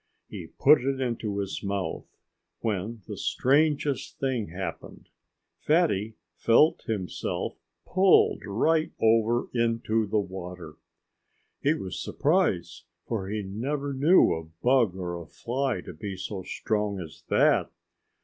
He put it into his mouth, when the strangest thing happened. Fatty felt himself pulled right over into the water. He was surprised, for he never knew a bug or a fly to be so strong as that.